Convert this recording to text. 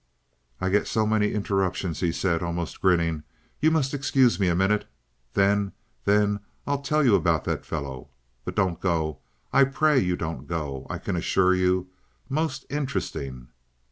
"I get so many interruptions," he said, almost grinning. "You must excuse me a minute! Then—then I'll tell you about that fellow. But don't go. I pray you don't go. I can assure you. ... most interesting."